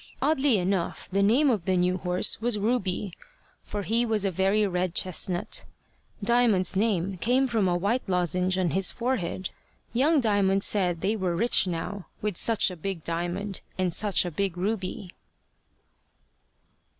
Oddly enough, the name of the new horse was Ruby, for he was a very red chestnut. Diamond's name came from a white lozenge on his forehead. Young Diamond said they were rich now, with such a big diamond and such a big ruby.